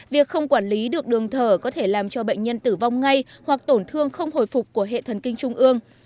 việc không quản lý được đường thở có thể làm cho bệnh nhân tử vong ngay hoặc tổn thương không hồi phục của hệ thần kinh trung ương